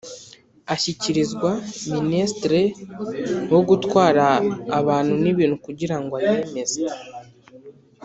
ashyikirizwa ministre wo gutwara abantu n’ibintu Kugirango ayemeze